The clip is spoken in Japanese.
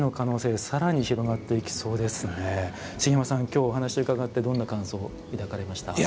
茂山さん、今日お話を伺ってどんな感想を抱かれました？